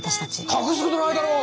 隠すことないだろう！